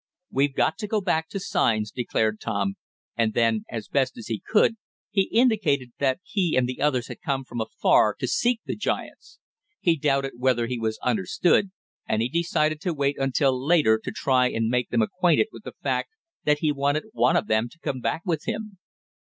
"We've got to go back to signs," declared Tom, and then, as best he could, he indicated that he and the others had come from afar to seek the giants. He doubted whether he was understood, and he decided to wait until later to try and make them acquainted with the fact that he wanted one of them to come back with him.